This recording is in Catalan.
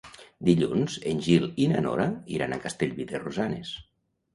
Dilluns en Gil i na Nora iran a Castellví de Rosanes.